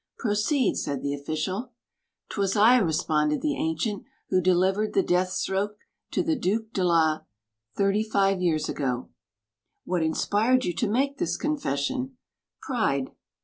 "Proceed," said the official. " 'Twas I," responded the ancient, "who delivered the death stroke to the Duke de la thirty five years ago." "What inspired you to make this confession?" "Pride."